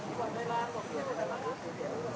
โปรดติดตามต่อไป